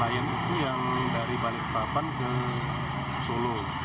klien itu yang dari balikpapan ke solo